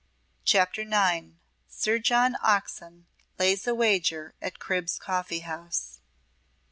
CHAPTER IX Sir John Oxon Lays a Wager at Cribb's Coffee House.